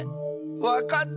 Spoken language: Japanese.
わかった！